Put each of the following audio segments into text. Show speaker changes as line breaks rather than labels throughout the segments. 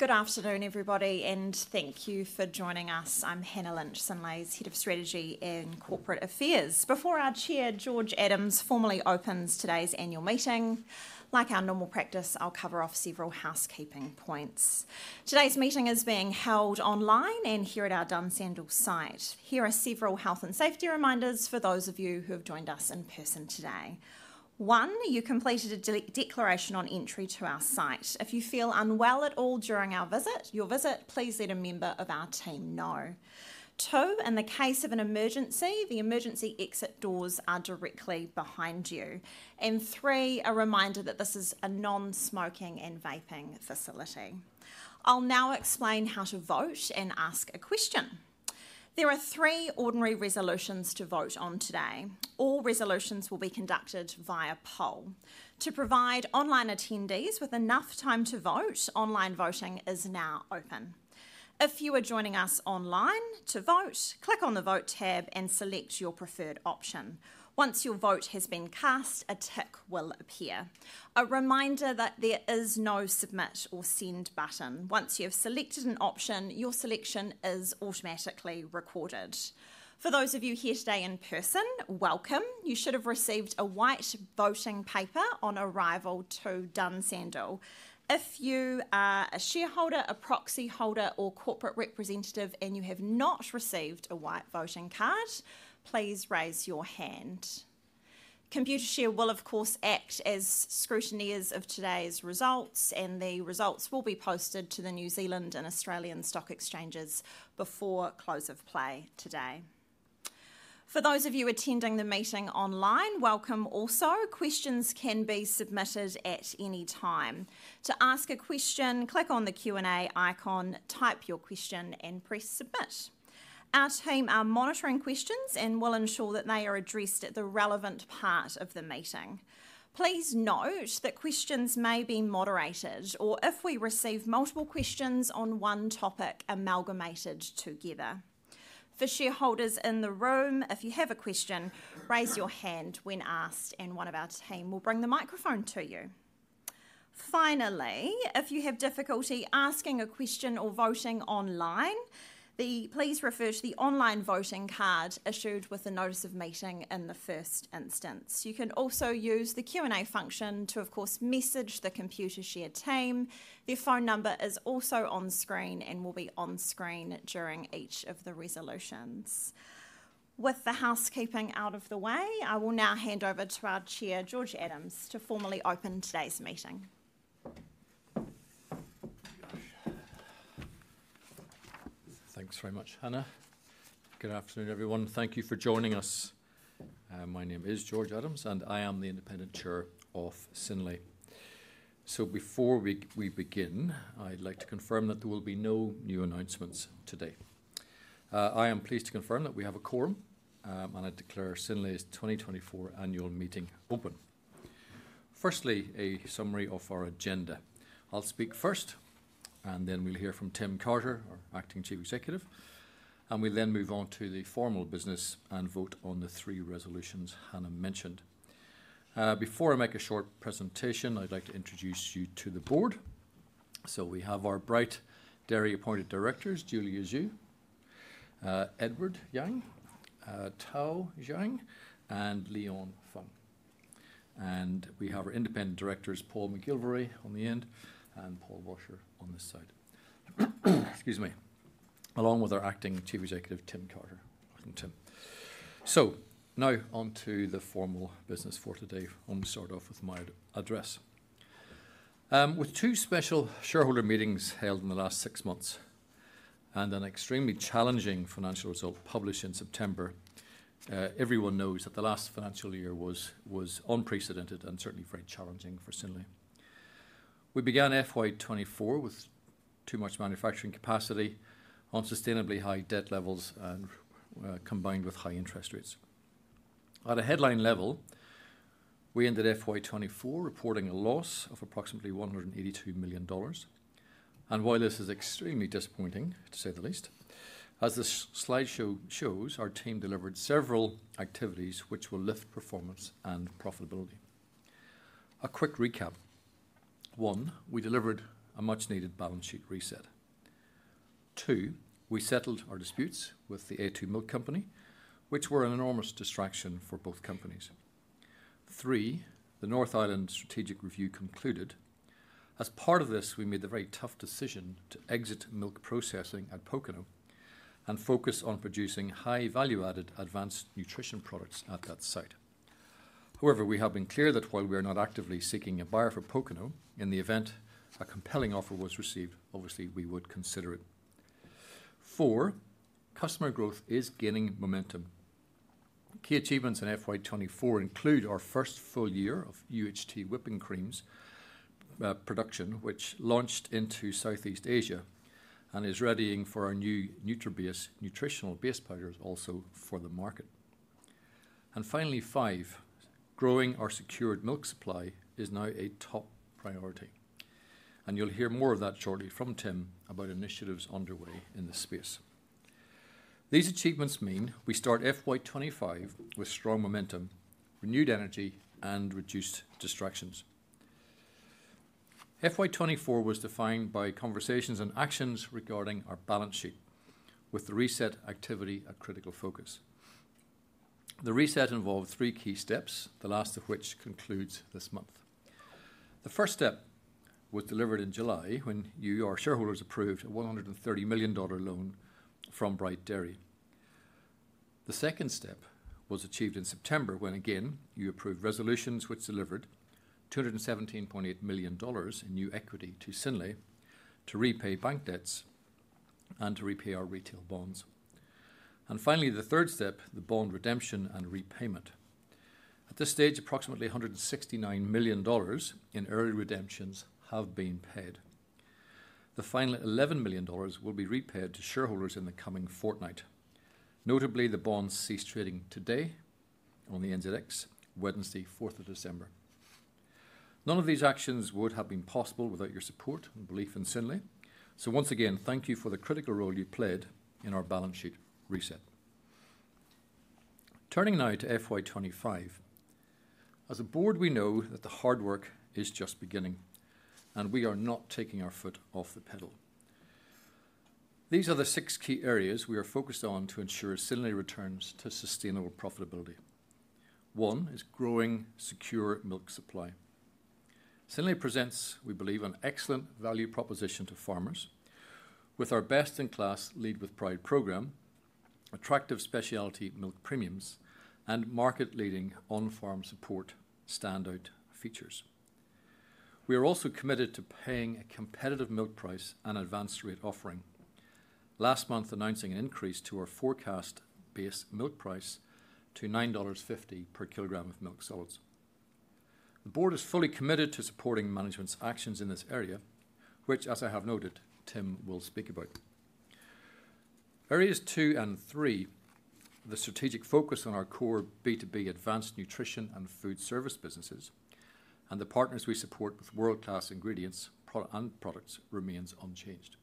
Good afternoon, everybody, and thank you for joining us. I'm Hannah Lynch, Synlait's Head of Strategy and Corporate Affairs. Before our Chair, George Adams, formally opens today's annual meeting, like our normal practice, I'll cover off several housekeeping points. Today's meeting is being held online and here at our Dunsandel site. Here are several health and safety reminders for those of you who have joined us in person today. One, you completed a declaration on entry to our site. If you feel unwell at all during our visit, please let a member of our team know. Two, in the case of an emergency, the emergency exit doors are directly behind you. And three, a reminder that this is a non-smoking and vaping facility. I'll now explain how to vote and ask a question. There are three ordinary resolutions to vote on today. All resolutions will be conducted via poll. To provide online attendees with enough time to vote, online voting is now open. If you are joining us online to vote, click on the Vote tab and select your preferred option. Once your vote has been cast, a tick will appear. A reminder that there is no Submit or Send button. Once you have selected an option, your selection is automatically recorded. For those of you here today in person, welcome. You should have received a white voting paper on arrival to Dunsandel. If you are a shareholder, a proxy holder, or corporate representative and you have not received a white voting card, please raise your hand. Computershare will, of course, act as scrutineers of today's results, and the results will be posted to the New Zealand and Australian stock exchanges before close of play today. For those of you attending the meeting online, welcome also. Questions can be submitted at any time. To ask a question, click on the Q&A icon, type your question, and press Submit. Our team are monitoring questions and will ensure that they are addressed at the relevant part of the meeting. Please note that questions may be moderated, or if we receive multiple questions on one topic, amalgamated together. For shareholders in the room, if you have a question, raise your hand when asked, and one of our team will bring the microphone to you. Finally, if you have difficulty asking a question or voting online, please refer to the online voting card issued with the notice of meeting in the first instance. You can also use the Q&A function to, of course, message the Computershare team. Their phone number is also on screen and will be on screen during each of the resolutions. With the housekeeping out of the way, I will now hand over to our Chair, George Adams, to formally open today's meeting. Thanks very much, Hannah. Good afternoon, everyone. Thank you for joining us. My name is George Adams, and I am the independent chair of Synlait. So before we begin, I'd like to confirm that there will be no new announcements today. I am pleased to confirm that we have a quorum, and I declare Synlait's 2024 annual meeting open. Firstly, a summary of our agenda. I'll speak first, and then we'll hear from Tim Carter, our Acting Chief Executive, and we'll then move on to the formal business and vote on the three resolutions Hannah mentioned. Before I make a short presentation, I'd like to introduce you to the board. So we have our Bright Dairy appointed directors, Julia Zhu, Edward Yang, Tao Yang, and Leon Fung. And we have our independent directors, Paul McGilvary, on the end, and Paul Washer on this side. Excuse me. Along with our Acting Chief Executive, Tim Carter. So now on to the formal business for today. I'll start off with my address. With two special shareholder meetings held in the last six months and an extremely challenging financial result published in September, everyone knows that the last financial year was unprecedented and certainly very challenging for Synlait. We began FY 2024 with too much manufacturing capacity on sustainably high debt levels combined with high interest rates. At a headline level, we ended FY 2024 reporting a loss of approximately 182 million dollars. And while this is extremely disappointing, to say the least, as the slide shows, our team delivered several activities which will lift performance and profitability. A quick recap. One, we delivered a much-needed balance sheet reset. Two, we settled our disputes with the a2 Milk Company, which were an enormous distraction for both companies. Three, the North Island Strategic Review concluded. As part of this, we made the very tough decision to exit milk processing at Pokeno and focus on producing high-value-added Advanced Nutrition products at that site. However, we have been clear that while we are not actively seeking a buyer for Pokeno, in the event a compelling offer was received, obviously, we would consider it. Four, customer growth is gaining momentum. Key achievements in FY 2024 include our first full year of UHT whipping creams production, which launched into Southeast Asia and is readying for our new nutrition-based nutritional base powders also for the market. And finally, five, growing our secured milk supply is now a top priority. And you'll hear more of that shortly from Tim about initiatives underway in the space. These achievements mean we start FY 2025 with strong momentum, renewed energy, and reduced distractions. FY 2024 was defined by conversations and actions regarding our balance sheet, with the reset activity a critical focus. The reset involved three key steps, the last of which concludes this month. The first step was delivered in July when you, our shareholders, approved a 130 million dollar loan from Bright Dairy. The second step was achieved in September when again you approved resolutions which delivered 217.8 million dollars in new equity to Synlait to repay bank debts and to repay our retail bonds. And finally, the third step, the bond redemption and repayment. At this stage, approximately 169 million dollars in early redemptions have been paid. The final 11 million dollars will be repaid to shareholders in the coming fortnight. Notably, the bonds cease trading today on the NZX, Wednesday, 4th of December. None of these actions would have been possible without your support and belief in Synlait. So once again, thank you for the critical role you played in our balance sheet reset. Turning now to FY 2025. As a board, we know that the hard work is just beginning, and we are not taking our foot off the pedal. These are the six key areas we are focused on to ensure Synlait returns to sustainable profitability. One is growing secure milk supply. Synlait presents, we believe, an excellent value proposition to farmers with our best-in-class Lead with Pride program, attractive specialty milk premiums, and market-leading on-farm support standout features. We are also committed to paying a competitive milk price and advance rate offering, last month announcing an increase to our forecast base milk price to 9.50 dollars per kilogram of milk solids. The board is fully committed to supporting management's actions in this area, which, as I have noted, Tim will speak about. Areas two and three, the strategic focus on our core B2B Advanced Nutrition and Foodservice businesses and the partners we support with world-class ingredients and products remains unchanged.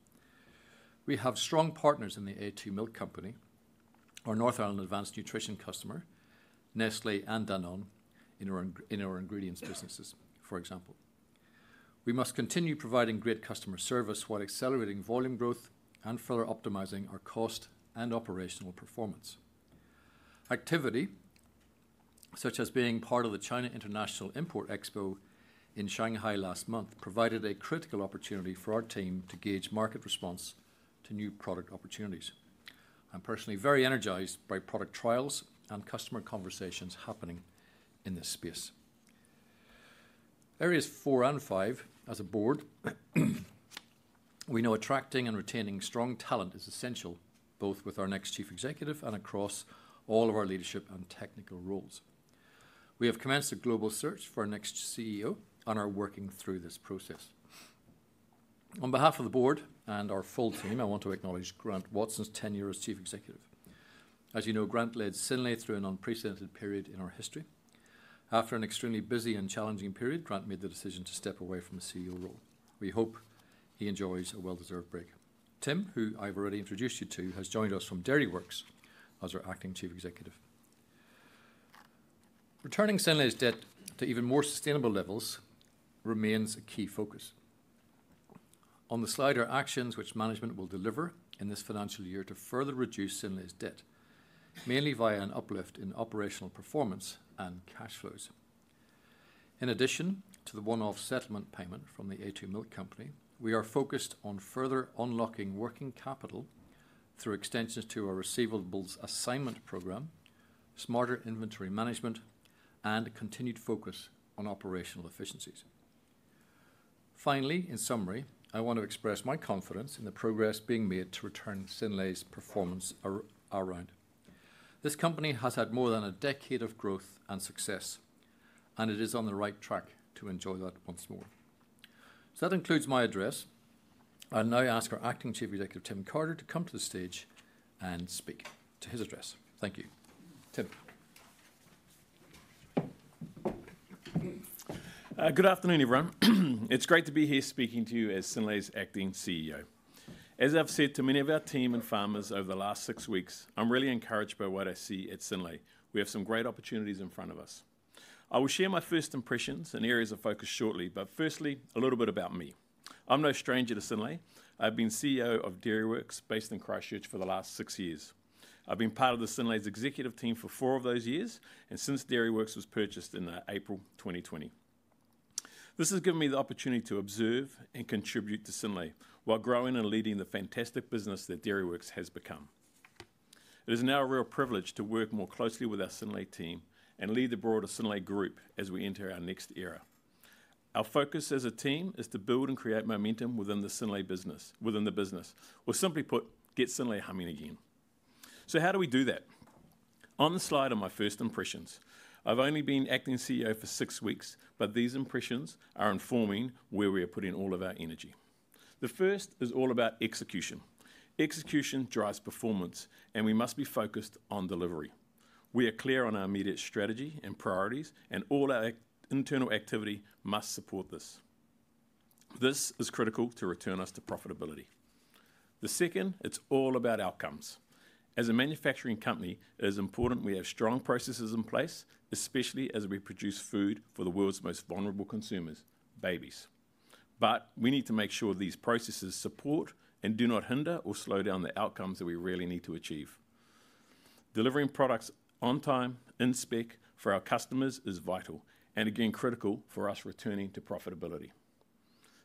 We have strong partners in the a2 Milk Company, our North Island Advanced Nutrition customer, Nestlé and Danone in our ingredients businesses, for example. We must continue providing great customer service while accelerating volume growth and further optimizing our cost and operational performance. Activity such as being part of the China International Import Expo in Shanghai last month provided a critical opportunity for our team to gauge market response to new product opportunities. I'm personally very energized by product trials and customer conversations happening in this space. Areas four and five, as a board, we know attracting and retaining strong talent is essential, both with our next Chief Executive and across all of our leadership and technical roles. We have commenced a global search for our next CEO and are working through this process. On behalf of the board and our full team, I want to acknowledge Grant Watson's tenure as Chief Executive. As you know, Grant led Synlait through an unprecedented period in our history. After an extremely busy and challenging period, Grant made the decision to step away from the CEO role. We hope he enjoys a well-deserved break. Tim, who I've already introduced you to, has joined us from Dairyworks as our acting Chief Executive. Returning Synlait's debt to even more sustainable levels remains a key focus. On the slide, our actions which management will deliver in this financial year to further reduce Synlait's debt, mainly via an uplift in operational performance and cash flows. In addition to the one-off settlement payment from the a2 Milk Company, we are focused on further unlocking working capital through extensions to our receivables assignment program, smarter inventory management, and continued focus on operational efficiencies. Finally, in summary, I want to express my confidence in the progress being made to turn Synlait's performance around. This company has had more than a decade of growth and success, and it is on the right track to enjoy that once more. So that includes my address. I'll now ask our Acting Chief Executive, Tim Carter, to come to the stage and speak to his address. Thank you. Tim.
Good afternoon, everyone. It's great to be here speaking to you as Synlait's acting CEO. As I've said to many of our team and farmers over the last six weeks, I'm really encouraged by what I see at Synlait. We have some great opportunities in front of us. I will share my first impressions and areas of focus shortly, but firstly, a little bit about me. I'm no stranger to Synlait. I've been CEO of Dairyworks based in Christchurch for the last six years. I've been part of the Synlait's executive team for four of those years, and since Dairyworks was purchased in April 2020. This has given me the opportunity to observe and contribute to Synlait while growing and leading the fantastic business that Dairyworks has become. It is now a real privilege to work more closely with our Synlait team and lead the broader Synlait group as we enter our next era. Our focus as a team is to build and create momentum within the Synlait business, within the business. Or simply put, get Synlait humming again. So how do we do that? On the slide are my first impressions. I've only been acting CEO for six weeks, but these impressions are informing where we are putting all of our energy. The first is all about execution. Execution drives performance, and we must be focused on delivery. We are clear on our immediate strategy and priorities, and all our internal activity must support this. This is critical to return us to profitability. The second, it's all about outcomes. As a manufacturing company, it is important we have strong processes in place, especially as we produce food for the world's most vulnerable consumers, babies. But we need to make sure these processes support and do not hinder or slow down the outcomes that we really need to achieve. Delivering products on time, in spec, for our customers is vital and, again, critical for us returning to profitability.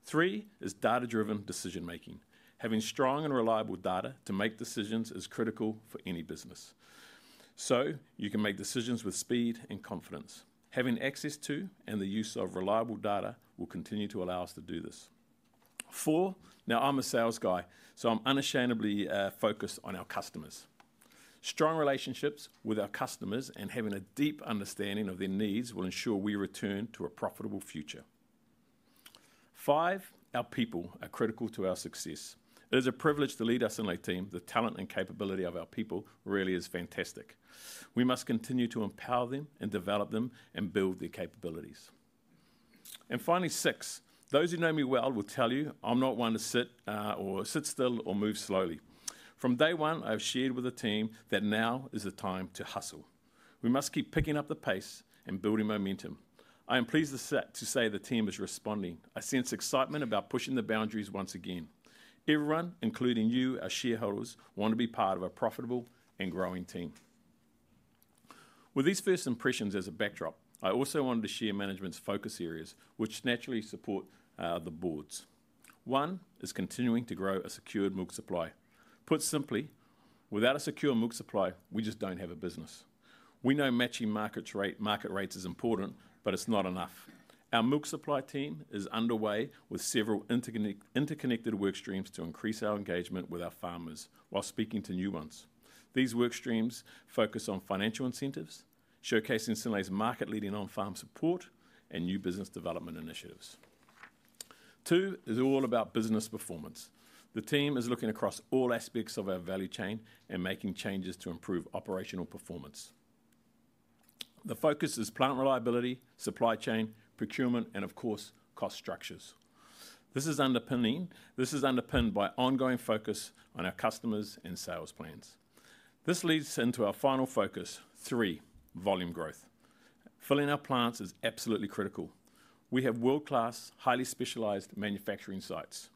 Three is data-driven decision-making. Having strong and reliable data to make decisions is critical for any business. So you can make decisions with speed and confidence. Having access to and the use of reliable data will continue to allow us to do this. Four, now I'm a sales guy, so I'm unashamedly focused on our customers. Strong relationships with our customers and having a deep understanding of their needs will ensure we return to a profitable future. Five, our people are critical to our success. It is a privilege to lead our Synlait team. The talent and capability of our people really is fantastic. We must continue to empower them and develop them and build their capabilities. And finally, six, those who know me well will tell you I'm not one to sit or sit still or move slowly. From day one, I've shared with the team that now is the time to hustle. We must keep picking up the pace and building momentum. I am pleased to say the team is responding. I sense excitement about pushing the boundaries once again. Everyone, including you, our shareholders, want to be part of a profitable and growing team. With these first impressions as a backdrop, I also wanted to share management's focus areas, which naturally support the boards. One is continuing to grow a secured milk supply. Put simply, without a secure milk supply, we just don't have a business. We know matching market rates is important, but it's not enough. Our milk supply team is underway with several interconnected work streams to increase our engagement with our farmers while speaking to new ones. These work streams focus on financial incentives, showcasing Synlait's market-leading on-farm support and new business development initiatives. Two is all about business performance. The team is looking across all aspects of our value chain and making changes to improve operational performance. The focus is plant reliability, supply chain, procurement, and, of course, cost structures. This is underpinned by ongoing focus on our customers and sales plans. This leads into our final focus, three, volume growth. Filling our plants is absolutely critical. We have world-class, highly specialized manufacturing sites.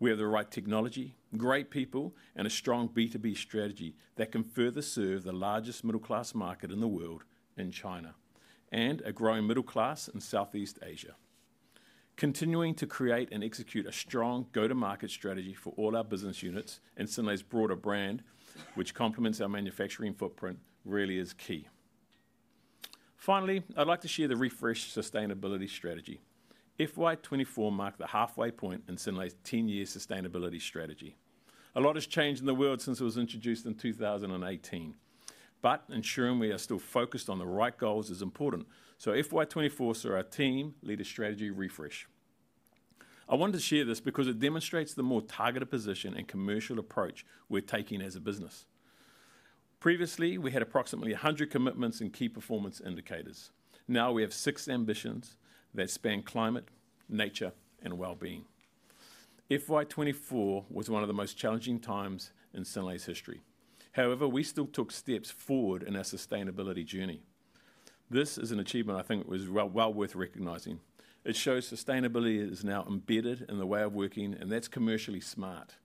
We have the right technology, great people, and a strong B2B strategy that can further serve the largest middle-class market in the world in China and a growing middle class in Southeast Asia. Continuing to create and execute a strong go-to-market strategy for all our business units and Synlait's broader brand, which complements our manufacturing footprint, really is key. Finally, I'd like to share the refreshed sustainability strategy. FY 2024 marked the halfway point in Synlait's 10-year sustainability strategy. A lot has changed in the world since it was introduced in 2018. But ensuring we are still focused on the right goals is important. So FY 2024 saw our team lead a strategy refresh. I wanted to share this because it demonstrates the more targeted position and commercial approach we're taking as a business. Previously, we had approximately 100 commitments and key performance indicators. Now we have six ambitions that span climate, nature, and well-being. FY 2024 was one of the most challenging times in Synlait's history. However, we still took steps forward in our sustainability journey. This is an achievement I think is well worth recognizing. It shows sustainability is now embedded in the way of working, and that's commercially smart.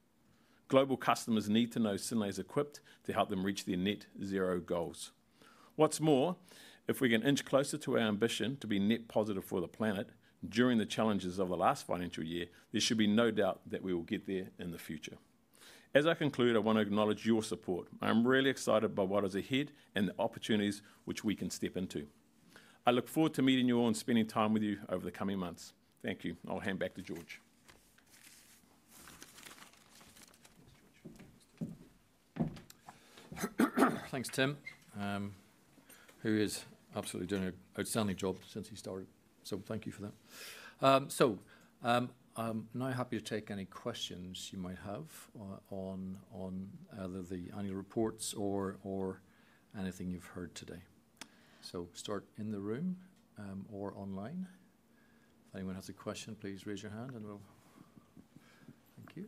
Global customers need to know Synlait is equipped to help them reach their net-zero goals. What's more, if we can inch closer to our ambition to be net positive for the planet during the challenges of the last financial year, there should be no doubt that we will get there in the future. As I conclude, I want to acknowledge your support. I'm really excited by what is ahead and the opportunities which we can step into. I look forward to meeting you all and spending time with you over the coming months. Thank you. I'll hand back to George.
Thanks, Tim, who is absolutely doing an outstanding job since he started. So thank you for that. So I'm now happy to take any questions you might have on either the annual reports or anything you've heard today. So start in the room or online. If anyone has a question, please raise your hand and we'll thank you.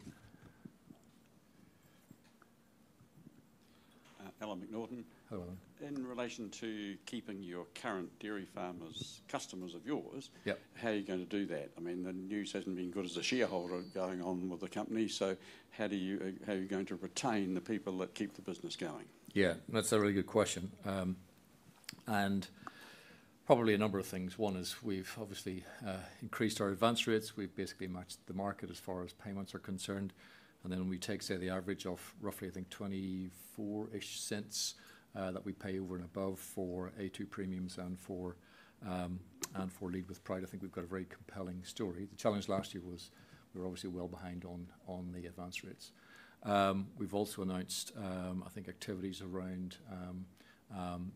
Alan McNaughton. Hello, Alan. In relation to keeping your current dairy farmers customers of yours, how are you going to do that? I mean, the news hasn't been good as a shareholder going on with the company. So how are you going to retain the people that keep the business going? Yeah, that's a really good question. And probably a number of things. One is we've obviously increased our advanced rates. We've basically matched the market as far as payments are concerned. And then when we take, say, the average of roughly, I think, 24-ish cents that we pay over and above for a2 premiums and for Lead with Pride, I think we've got a very compelling story. The challenge last year was we were obviously well behind on the advanced rates. We've also announced, I think, activities around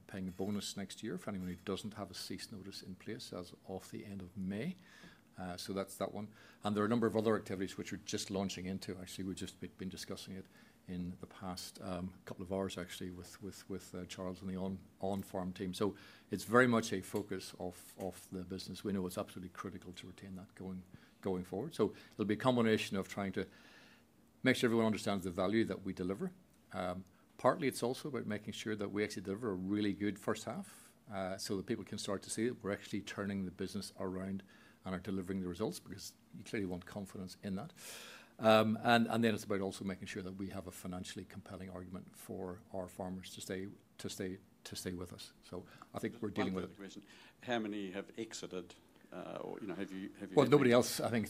paying a bonus next year for anyone who doesn't have a cease notice in place as of the end of May. So that's that one. And there are a number of other activities which are just launching into. Actually, we've just been discussing it in the past couple of hours, actually, with Charles and the on-farm team. So it's very much a focus of the business. We know it's absolutely critical to retain that going forward. So it'll be a combination of trying to make sure everyone understands the value that we deliver. Partly, it's also about making sure that we actually deliver a really good first half so that people can start to see that we're actually turning the business around and are delivering the results because you clearly want confidence in that. And then it's about also making sure that we have a financially compelling argument for our farmers to stay with us. So I think we're dealing with it. How many have exited or have you? Nobody else, I think,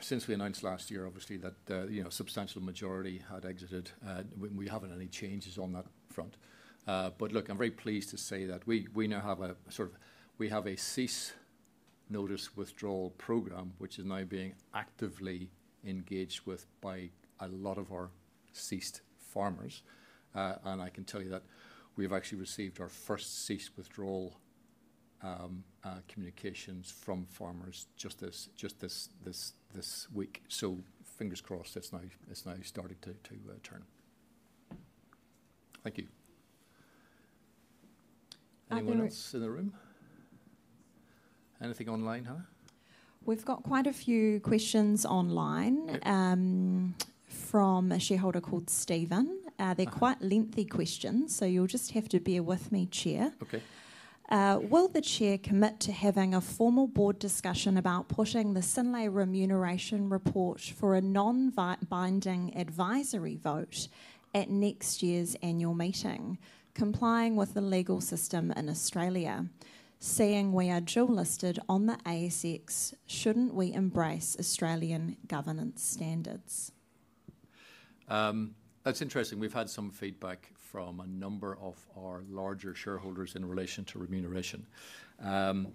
since we announced last year, obviously, that a substantial majority had exited. We haven't had any changes on that front. But look, I'm very pleased to say that we now have a cease notice withdrawal program, which is now being actively engaged with by a lot of our ceased farmers. And I can tell you that we've actually received our first cease withdrawal communications from farmers just this week. So fingers crossed, it's now starting to turn. Thank you. Anyone else in the room? Anything online, Hannah?
We've got quite a few questions online from a shareholder called Stephen. They're quite lengthy questions, so you'll just have to bear with me, Chair. Will the Chair commit to having a formal board discussion about pushing the Synlait remuneration report for a non-binding advisory vote at next year's annual meeting, complying with the legal system in Australia, saying we are dual-listed on the ASX, shouldn't we embrace Australian governance standards?
That's interesting. We've had some feedback from a number of our larger shareholders in relation to remuneration, and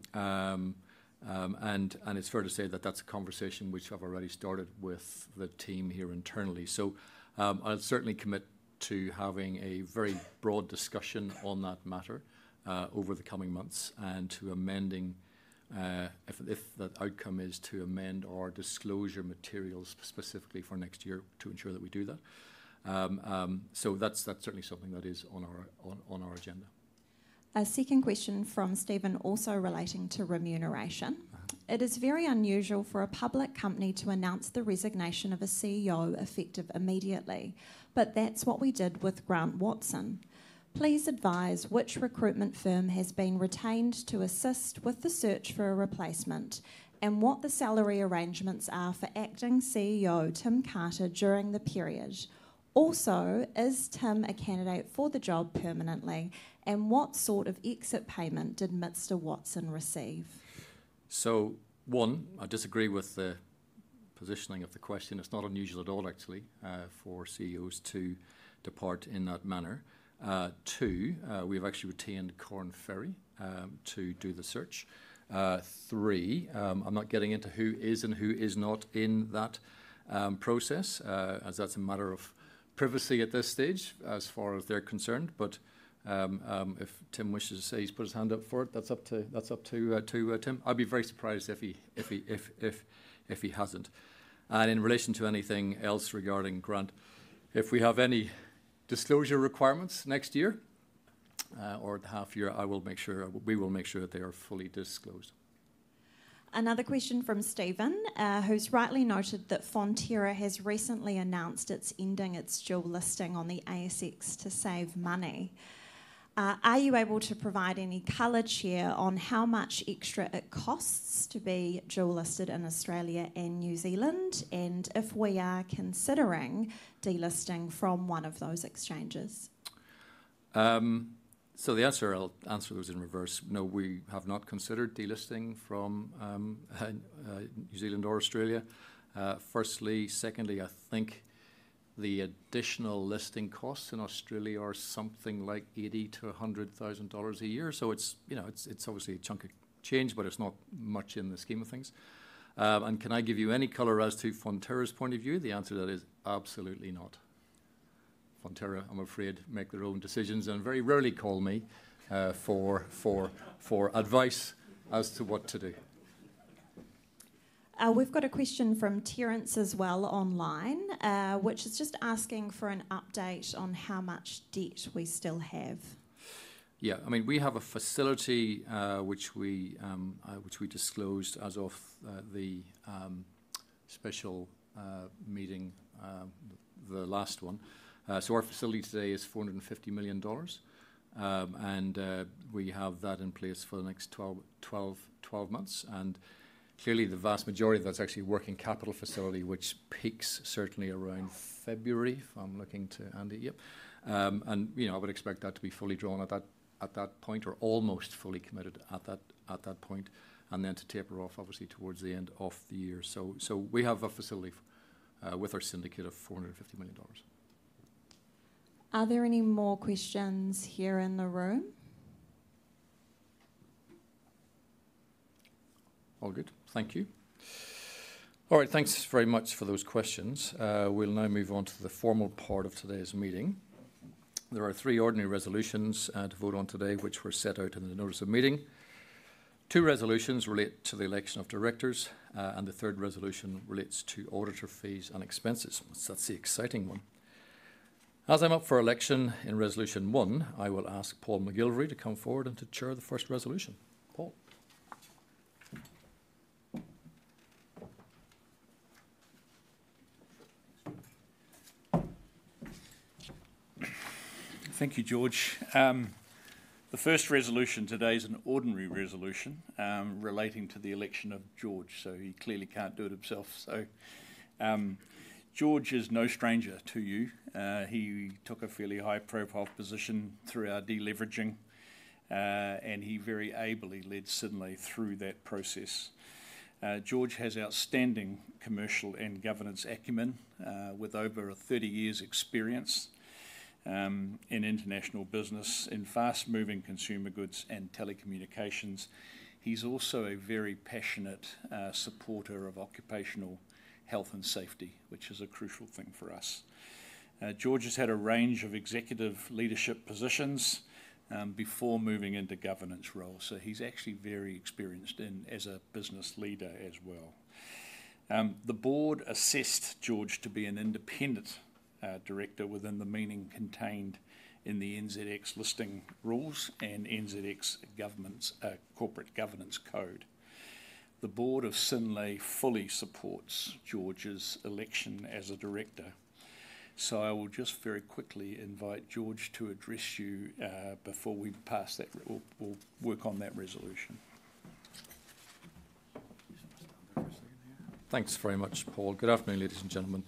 it's fair to say that that's a conversation which I've already started with the team here internally, so I'll certainly commit to having a very broad discussion on that matter over the coming months and to amending, if the outcome is to amend our disclosure materials specifically for next year to ensure that we do that, so that's certainly something that is on our agenda.
A second question from Stephen also relating to remuneration. It is very unusual for a public company to announce the resignation of a CEO effective immediately. But that's what we did with Grant Watson. Please advise which recruitment firm has been retained to assist with the search for a replacement and what the salary arrangements are for acting CEO Tim Carter during the period. Also, is Tim a candidate for the job permanently? And what sort of exit payment did Mr. Watson receive?
So one, I disagree with the positioning of the question. It's not unusual at all, actually, for CEOs to depart in that manner. Two, we have actually retained Korn Ferry to do the search. Three, I'm not getting into who is and who is not in that process, as that's a matter of privacy at this stage as far as they're concerned. But if Tim wishes to say he's put his hand up for it, that's up to Tim. I'd be very surprised if he hasn't. And in relation to anything else regarding Grant, if we have any disclosure requirements next year or the half year, we will make sure that they are fully disclosed.
Another question from Stephen, who's rightly noted that Fonterra has recently announced it's ending its dual-listing on the ASX to save money. Are you able to provide any color, Chair, on how much extra it costs to be dual-listed in Australia and New Zealand? And if we are considering delisting from one of those exchanges?
The answer I'll answer was in reverse. No, we have not considered delisting from New Zealand or Australia. Firstly, secondly, I think the additional listing costs in Australia are something like 80,000-100,000 dollars a year. So it's obviously a chunk of change, but it's not much in the scheme of things. And can I give you any color as to Fonterra's point of view? The answer to that is absolutely not. Fonterra, I'm afraid, makes their own decisions and very rarely calls me for advice as to what to do.
We've got a question from Terence as well online, which is just asking for an update on how much debt we still have.
Yeah, I mean, we have a facility which we disclosed as of the special meeting, the last one. So our facility today is 450 million dollars. And we have that in place for the next 12 months. And clearly, the vast majority of that's actually a working capital facility, which peaks certainly around February, if I'm looking to Andy, yep. And I would expect that to be fully drawn at that point or almost fully committed at that point, and then to taper off, obviously, towards the end of the year. So we have a facility with our syndicate of 450 million dollars.
Are there any more questions here in the room?
All good. Thank you. All right, thanks very much for those questions. We'll now move on to the formal part of today's meeting. There are three ordinary resolutions to vote on today, which were set out in the notice of meeting. Two resolutions relate to the election of directors, and the third resolution relates to auditor fees and expenses. That's the exciting one. As I'm up for election in resolution one, I will ask Paul McGilvary to come forward and to chair the first resolution. Paul.
Thank you, George. The first resolution today is an ordinary resolution relating to the election of George. So he clearly can't do it himself. So George is no stranger to you. He took a fairly high-profile position through our deleveraging, and he very ably led Synlait through that process. George has outstanding commercial and governance acumen with over 30 years' experience in international business in fast-moving consumer goods and telecommunications. He's also a very passionate supporter of occupational health and safety, which is a crucial thing for us. George has had a range of executive leadership positions before moving into governance roles. So he's actually very experienced as a business leader as well. The board assessed George to be an independent director within the meaning contained in the NZX listing rules and NZX government's corporate governance code. The board of Synlait fully supports George's election as a director. So I will just very quickly invite George to address you before we pass that we'll work on that resolution.
Thanks very much, Paul. Good afternoon, ladies and gentlemen.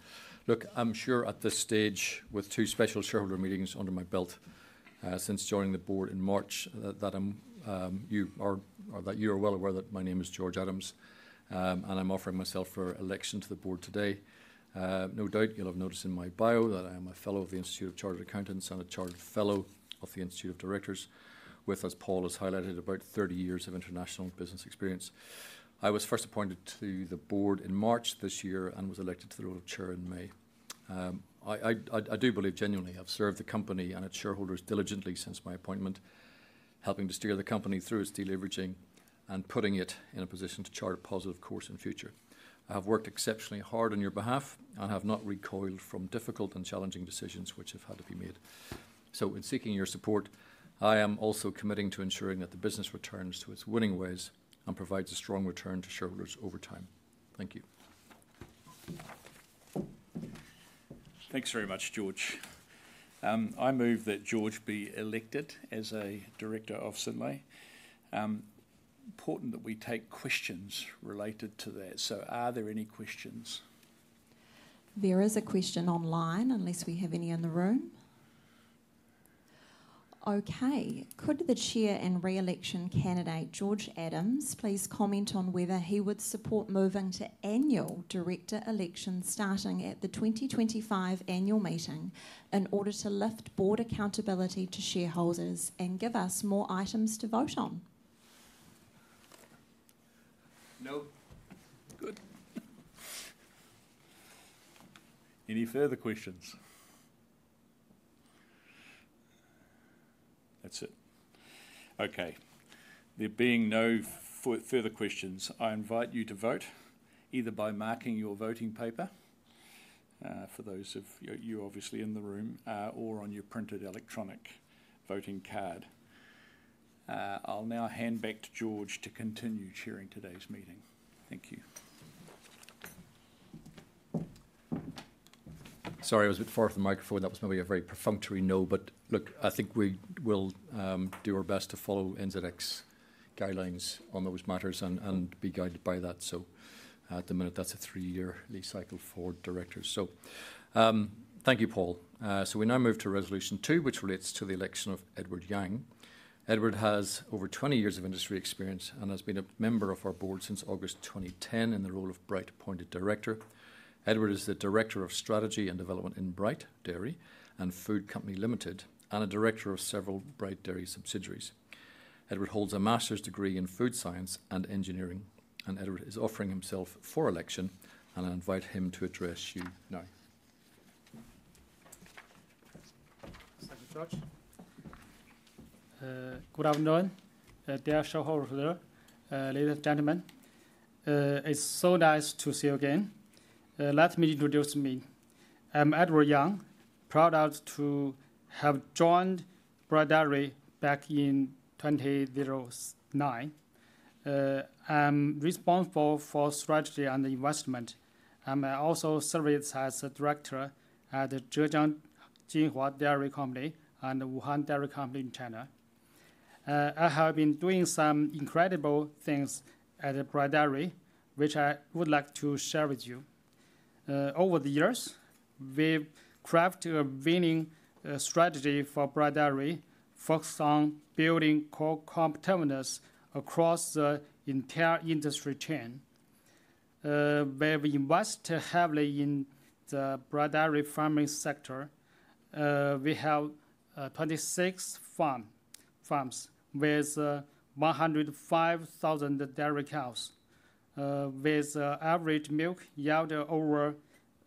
Look, I'm sure at this stage, with two special shareholder meetings under my belt since joining the board in March, that you are well aware that my name is George Adams, and I'm offering myself for election to the board today. No doubt you'll have noticed in my bio that I am a fellow of the Institute of Chartered Accountants and a Chartered Fellow of the Institute of Directors, with, as Paul has highlighted, about 30 years of international business experience. I was first appointed to the board in March this year and was elected to the role of Chair in May. I do believe, genuinely, I've served the company and its shareholders diligently since my appointment, helping to steer the company through its deleveraging and putting it in a position to chart a positive course in future. I have worked exceptionally hard on your behalf and have not recoiled from difficult and challenging decisions which have had to be made. So in seeking your support, I am also committing to ensuring that the business returns to its winning ways and provides a strong return to shareholders over time. Thank you.
Thanks very much, George. I move that George be elected as a director of Synlait. Important that we take questions related to that. So are there any questions?
There is a question online, unless we have any in the room. Okay. Could the Chair and re-election candidate, George Adams, please comment on whether he would support moving to annual director elections starting at the 2025 annual meeting in order to lift board accountability to shareholders and give us more items to vote on?
No. Good. Any further questions? That's it. Okay. There being no further questions, I invite you to vote either by marking your voting paper, for those of you obviously in the room, or on your printed electronic voting card. I'll now hand back to George to continue chairing today's meeting. Thank you.
Sorry, I was a bit far off the microphone. That was maybe a very perfunctory no. But look, I think we will do our best to follow NZX guidelines on those matters and be guided by that. So at the minute, that's a three-year term cycle for directors. So thank you, Paul. So we now move to resolution two, which relates to the election of Edward Yang. Edward has over 20 years of industry experience and has been a member of our board since August 2010 in the role of Bright Dairy Appointed Director. Edward is the Director of Strategy and Development in Bright Dairy and Food Company Limited and a Director of several Bright Dairy subsidiaries. Edward holds a Master's Degree in Food Science and Engineering. Edward is offering himself for election, and I invite him to address you now.
Good afternoon. Dear shareholders, ladies and gentlemen. It's so nice to see you again. Let me introduce me. I'm Edward Yang. Proud to have joined Bright Dairy back in 2009. I'm responsible for strategy and investment. I also served as a director at Zhejiang Jinhua Dairy Company and Wuhan Dairy Company in China. I have been doing some incredible things at Bright Dairy, which I would like to share with you. Over the years, we've crafted a winning strategy for Bright Dairy, focused on building core competitiveness across the entire industry chain. We've invested heavily in the Bright Dairy farming sector. We have 26 farms with 105,000 dairy cows, with average milk yield over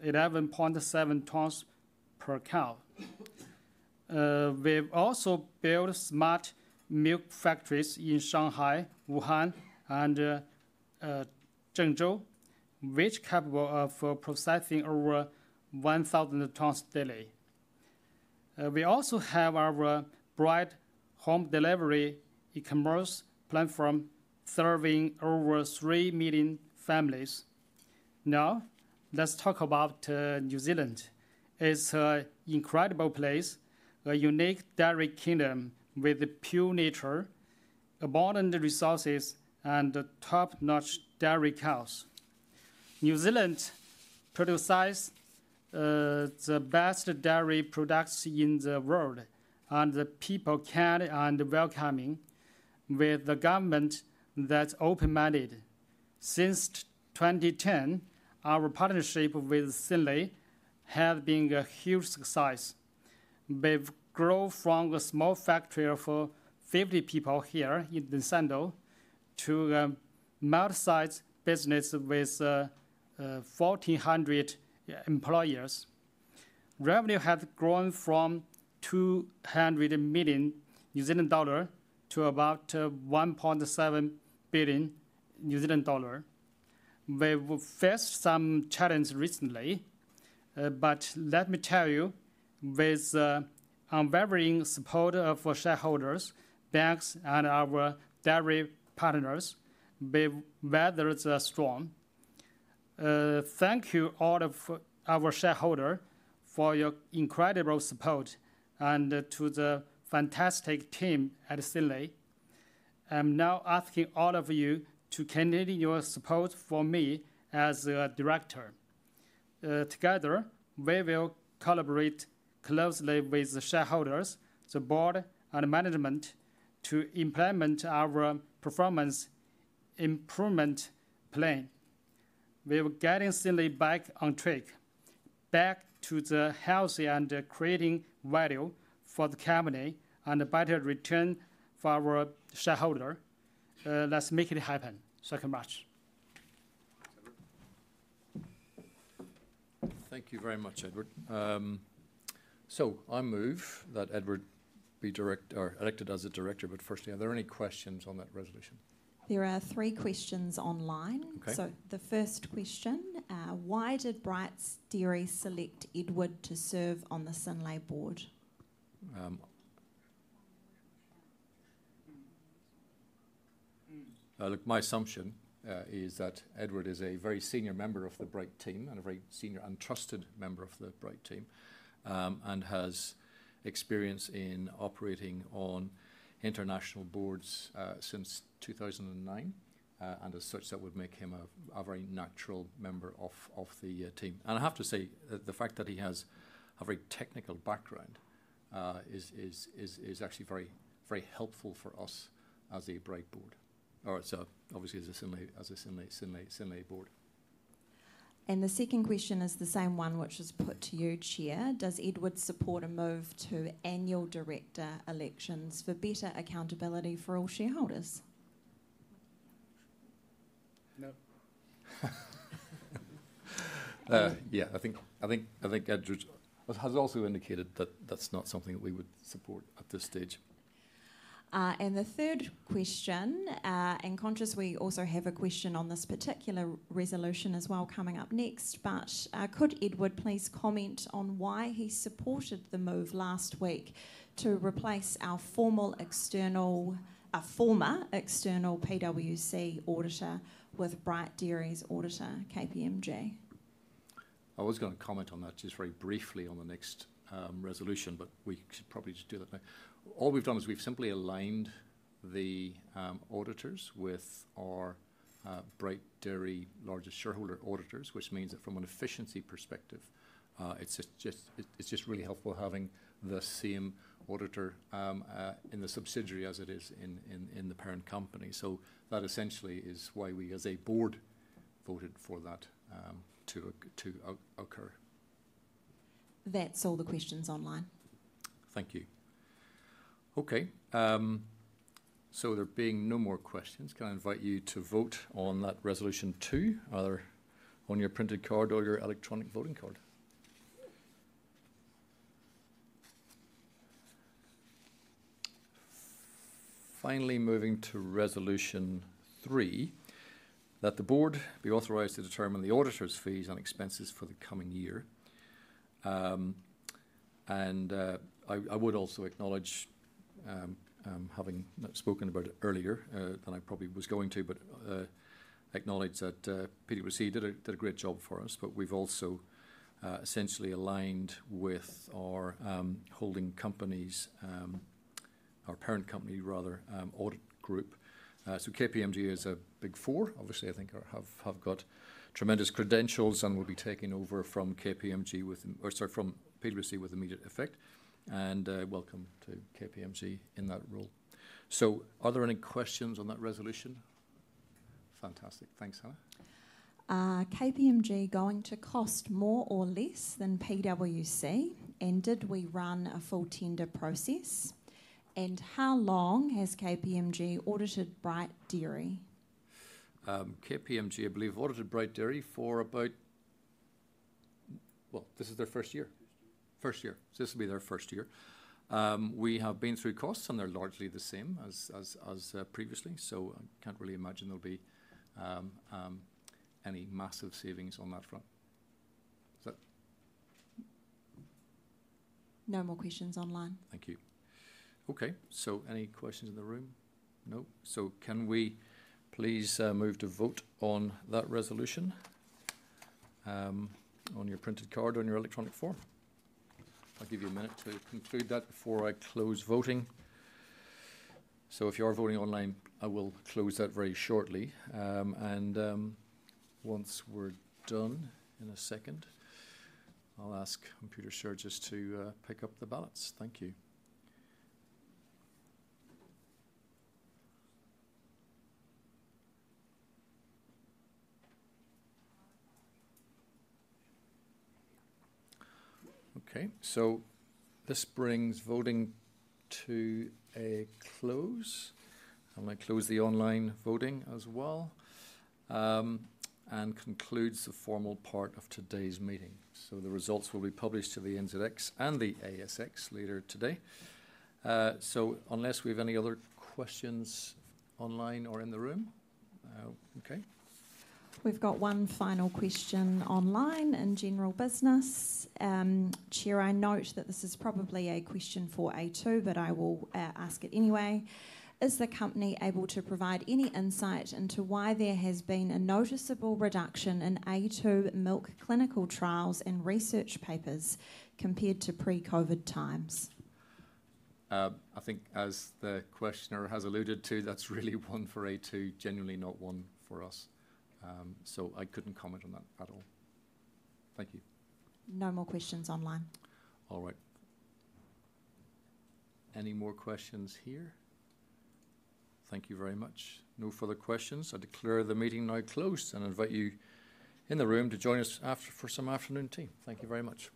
11.7 tons per cow. We've also built smart milk factories in Shanghai, Wuhan, and Zhengzhou, each capable of processing over 1,000 tons daily. We also have our Bright Home Delivery e-commerce platform serving over 3 million families. Now, let's talk about New Zealand. It's an incredible place, a unique dairy kingdom with pure nature, abundant resources, and top-notch dairy cows. New Zealand produces the best dairy products in the world, and the people are kind and welcoming, with a government that's open-minded. Since 2010, our partnership with Synlait has been a huge success. We've grown from a small factory of 50 people here in Dunsandel to a midsize business with 1,400 employees. Revenue has grown from 200 million New Zealand dollar to about 1.7 billion New Zealand dollar. We've faced some challenges recently, but let me tell you, with unwavering support of shareholders, banks, and our dairy partners, we've weathered the storm. Thank you, all of our shareholders, for your incredible support, and to the fantastic team at Synlait. I'm now asking all of you to continue your support for me as a director. Together, we will collaborate closely with shareholders, the board, and management to implement our performance improvement plan. We will get Synlait back on track, back to the health and creating value for the company and a better return for our shareholders. Let's make it happen. So I can march.
Thank you very much, Edward. So I move that Edward be elected as a director. But firstly, are there any questions on that resolution?
There are three questions online, so the first question, why did Bright Dairy select Edward to serve on the Synlait board?
Look, my assumption is that Edward is a very senior member of the Bright team and a very senior and trusted member of the Bright team and has experience in operating on international boards since 2009, and as such, that would make him a very natural member of the team. And I have to say, the fact that he has a very technical background is actually very helpful for us as a Bright board, or obviously as a Synlait board.
The second question is the same one which was put to you, Chair. Does Edward support a move to annual director elections for better accountability for all shareholders?
No.
Yeah, I think Edward has also indicated that that's not something that we would support at this stage.
And the third question, in contrast, we also have a question on this particular resolution as well coming up next. But could Edward please comment on why he supported the move last week to replace our former external PwC auditor with Bright Dairy's auditor, KPMG?
I was going to comment on that just very briefly on the next resolution, but we should probably just do that now. All we've done is we've simply aligned the auditors with our Bright Dairy largest shareholder auditors, which means that from an efficiency perspective, it's just really helpful having the same auditor in the subsidiary as it is in the parent company. So that essentially is why we, as a board, voted for that to occur.
That's all the questions online.
Thank you. Okay. So there being no more questions, can I invite you to vote on that resolution too? Either on your printed card or your electronic voting card. Finally, moving to resolution three, that the board be authorized to determine the auditor's fees and expenses for the coming year. And I would also acknowledge, having spoken about it earlier than I probably was going to, but acknowledge that Peter was here. He did a great job for us. But we've also essentially aligned with our holding companies, our parent company, rather, audit group. So KPMG is a Big Four, obviously, I think, have got tremendous credentials and will be taking over from KPMG, or sorry, from PwC with immediate effect. And welcome to KPMG in that role. So are there any questions on that resolution? Fantastic. Thanks, Hannah.
KPMG going to cost more or less than PwC? And did we run a full tender process? And how long has KPMG audited Bright Dairy?
KPMG, I believe, audited Bright Dairy for about, well, this is their first year. First year. So this will be their first year. We have been through costs, and they're largely the same as previously. So I can't really imagine there'll be any massive savings on that front.
No more questions online.
Thank you. Okay. So any questions in the room? No? So can we please move to vote on that resolution on your printed card or on your electronic form? I'll give you a minute to conclude that before I close voting. So if you are voting online, I will close that very shortly. And once we're done in a second, I'll ask Computershare to pick up the ballots. Thank you. Okay. So this brings voting to a close. I'm going to close the online voting as well and conclude the formal part of today's meeting. So the results will be published to the NZX and the ASX later today. So unless we have any other questions online or in the room? Okay.
We've got one final question online in general business. Chair, I note that this is probably a question for A2, but I will ask it anyway. Is the company able to provide any insight into why there has been a noticeable reduction in A2 milk clinical trials and research papers compared to pre-COVID times?
I think as the questioner has alluded to, that's really one for A2, genuinely not one for us. So I couldn't comment on that at all. Thank you.
No more questions online.
All right. Any more questions here? Thank you very much. No further questions. I declare the meeting now closed and invite you in the room to join us for some afternoon tea. Thank you very much.